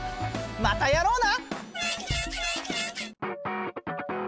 またやろうな！